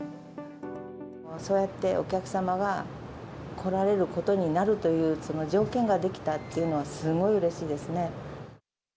そうやってお客様が来られることになるというその条件が出来たっていうのはすごいうれしいですね。